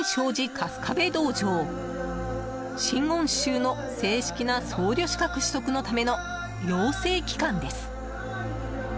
春日部道場の真言宗の正式な資格取得のための養成機関です。